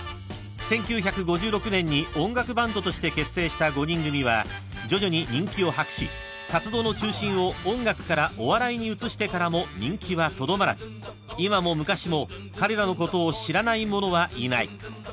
［１９５６年に音楽バンドとして結成した５人組は徐々に人気を博し活動の中心を音楽からお笑いに移してからも人気はとどまらず今も昔も彼らのことを知らない者はいない］